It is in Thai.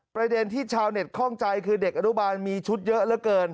ประเด็นที่ชาวเน็ตคล่องใจคือเด็กอนุบาลมีชุดเยอะเหลือเกิน